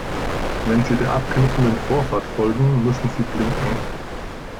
Wenn Sie der abknickenden Vorfahrt folgen, müssen Sie blinken.